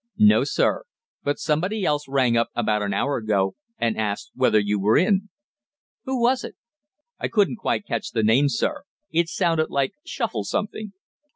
"No, sir. But somebody else rang up about an hour ago, and asked whether you were in." "Who was it?" "I couldn't quite catch the name, sir. It sounded like Shuffle something."